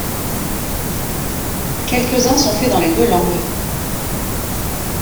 Quelques-uns sont faits dans les deux langues.